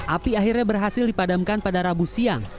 api akhirnya berhasil dipadamkan pada rabu siang